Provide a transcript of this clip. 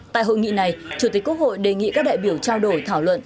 tại hội nghị này chủ tịch quốc hội đề nghị các đại biểu trao đổi thảo luận